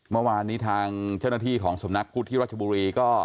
เมื่อวานนี้ทางเจ้าหน้าที่ของสำนักพุทธที่รัชบุรีก็